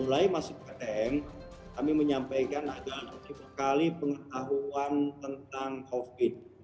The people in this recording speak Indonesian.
mulai masuk ke teng kami menyampaikan agar nanti berkali pengetahuan tentang covid